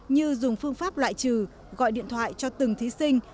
như dùng phương pháp loại trừ gọi điện thoại cho từng thí sinh